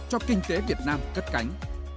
cho kinh tế việt nam cất cánh